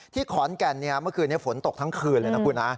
ที่ขอนแก่นเมื่อคืนฝนตกทั้งคืนเลยนะคุณ